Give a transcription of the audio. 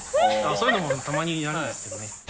そういうのもたまにやるんですけどね。